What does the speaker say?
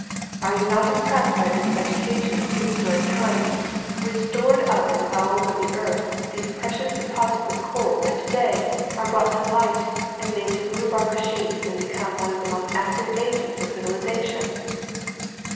Are you not impressed by this vegetation of prehis toric times which stored up in the bowels of the earth those precious deposits of coal that to day are brought to light and made to move our machines and become one of the most active agents of civiliza tion?"